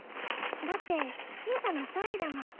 だって小さな勝利だもん。